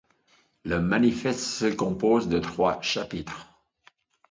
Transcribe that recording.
Le Manifeste se compose de trois chapitres.